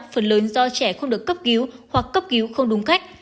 phần lớn do trẻ không được cấp cứu hoặc cấp cứu không đúng cách